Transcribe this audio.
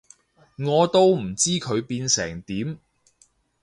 我都唔知佢變成點